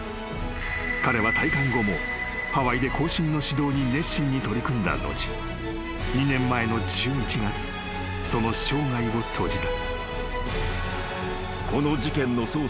［彼は退官後もハワイで後進の指導に熱心に取り組んだ後２年前の１１月その生涯を閉じた］